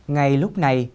ngay lúc này